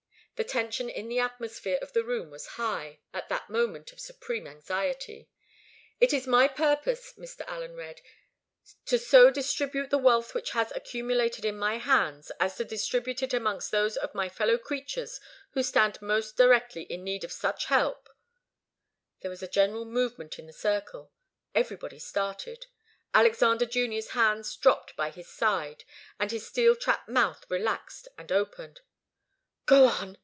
The tension in the atmosphere of the room was high, at that moment of supreme anxiety. " 'It is my purpose,' " Mr. Allen read, " 'to so distribute the wealth which has accumulated in my hands as to distribute it amongst those of my fellow creatures who stand most directly in need of such help '" There was a general movement in the circle. Everybody started. Alexander Junior's hands dropped by his sides, and his steel trap mouth relaxed and opened. "Go on!"